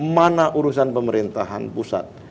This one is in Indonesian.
mana urusan pemerintahan pusat